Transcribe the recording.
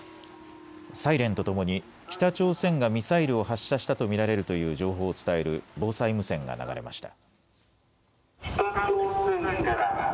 サイレンとともに北朝鮮がミサイルを発射したと見られるという情報を伝える防災無線が流れました。